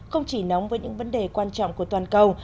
không chỉ nóng với những vấn đề quan trọng của toàn cầu